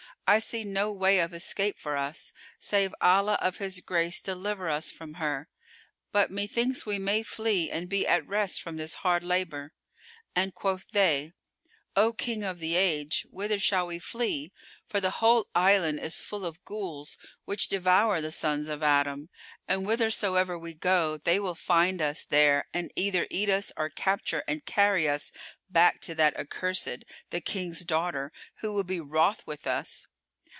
I see no way of escape for us, save Allah of his grace deliver us from her; but methinks we may flee and be at rest from this hard labour." And quoth they, "O King of the Age, whither shall we flee? For the whole island is full of Ghuls which devour the Sons of Adam, and whithersoever we go, they will find us there and either eat us or capture and carry us back to that accursed, the King's daughter, who will be wroth with us."